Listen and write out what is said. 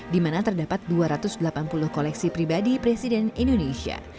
di mana terdapat dua ratus delapan puluh koleksi pribadi presiden indonesia